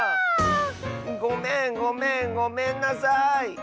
ごめんごめんごめんなさい。